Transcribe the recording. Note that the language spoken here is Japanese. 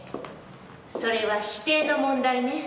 それは否定の問題ね。